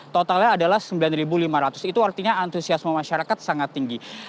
totalnya adalah sembilan lima ratus itu artinya antusiasme masyarakat sangat tinggi